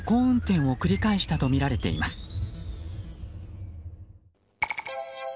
運転を繰り返したとみられています。